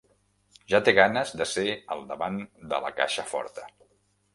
Ja té ganes de ser al davant de la caixa forta.